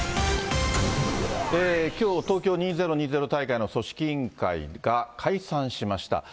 きょう東京２０２０大会の組織委員会が解散しました。